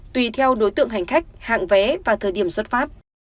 tàu đối tượng hành khách hạng vé và thời điểm xuất phát